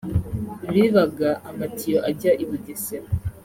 bibaga amatiyo ajya i Bugesera